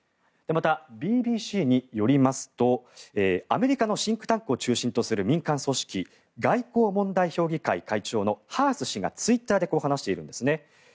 また、ＢＢＣによりますとアメリカのシンクタンクを中心とする民間組織外交問題評議会会長のハース氏がツイッターでこう話しているんですね。